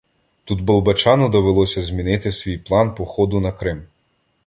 Тут Болбочану довелося змінити свій план походу на Крим.